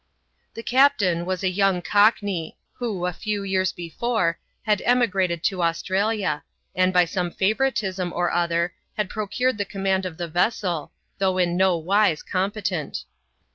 The captain was a young cockney, who, a few years before, had emigrated to Australia, and, by some favouritism or other, had procured the command of the vessel, though in no wise competent.